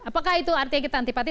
apakah itu artinya kita antipati